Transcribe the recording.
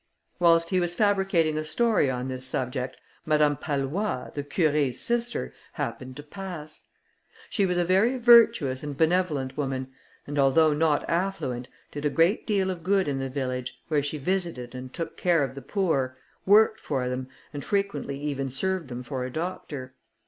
Whilst he was fabricating a story on this subject, Madame Pallois, the Curé's sister, happened to pass. She was a very virtuous and benevolent woman, and although not affluent, did a great deal of good in the village, where she visited and took care of the poor, worked for them, and frequently even served them for a doctor.